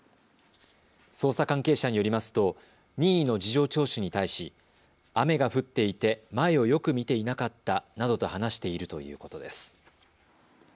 捜査関係者によりますと任意の事情聴取に対し雨が降っていて前をよく見ていなかったなどと話しているということです。